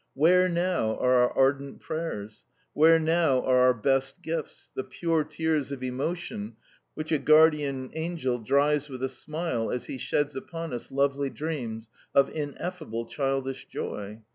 Where now are our ardent prayers? Where now are our best gifts the pure tears of emotion which a guardian angel dries with a smile as he sheds upon us lovely dreams of ineffable childish joy?